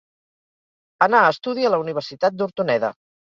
Anar a estudi a la Universitat d'Hortoneda.